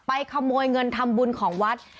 ขโมยเงินทำบุญของวัด